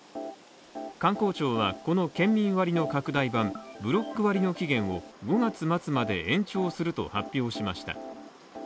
観光庁はこの県民割の拡大版ブロック割の期限を５月末まで延長すると発表しました。